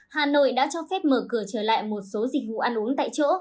hà nội đã cho phép mở cửa trở lại một số dịch vụ ăn uống tại chỗ